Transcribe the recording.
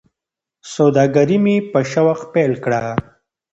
سوداګري مې په شوق پیل کړه.